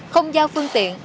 không giao phương tiện